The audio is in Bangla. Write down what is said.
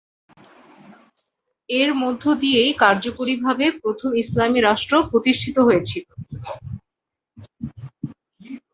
এর মধ্য দিয়েই কার্যকরীভাবে প্রথম ইসলামী রাষ্ট্র প্রতিষ্ঠিত হয়েছিল।